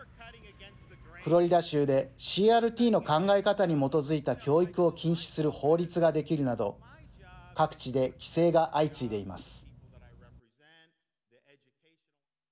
フロリダ州でＣＲＴの考え方に基づいた教育を禁止する法律ができるなど各地で規制が相次いでいます。